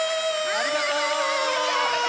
ありがとう！